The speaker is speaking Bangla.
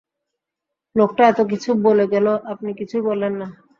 লোকটা এত কিছু বলে গেল আপনি কিছুই বললেন না!